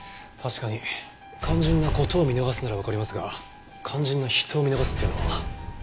確かに「肝心な事を見逃す」ならわかりますが「肝心な人を見逃す」っていうのは。